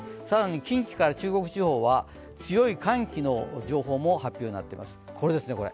更に近畿から中国地方は強い寒気の情報も発表になっています。